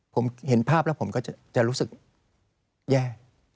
ผมเห็นภาพแล้วผมก็จะรู้สึกแย่